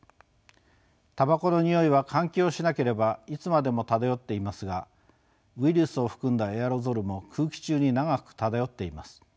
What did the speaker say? たばこの臭いは換気をしなければいつまでも漂っていますがウイルスを含んだエアロゾルも空気中に長く漂っています。